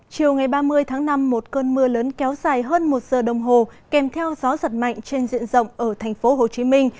chiều ngày ba mươi tháng năm một cơn mưa lớn kéo dài hơn một giờ đồng hồ kèm theo gió giật mạnh trên diện rộng ở thành phố hồ chí minh